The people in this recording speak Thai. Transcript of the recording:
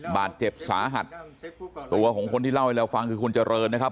บาดเจ็บสาหัสตัวของคนที่เล่าให้เราฟังคือคุณเจริญนะครับ